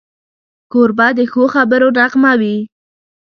کوربه د ښو خبرو نغمه وي.